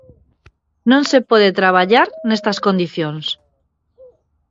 Non se pode traballar nestas condicións.